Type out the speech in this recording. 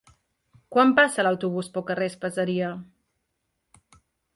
Quan passa l'autobús pel carrer Espaseria?